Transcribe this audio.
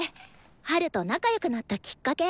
ハルと仲よくなったきっかけ。